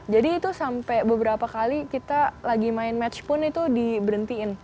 jadi itu sampai beberapa kali kita lagi main match pun itu di berhentiin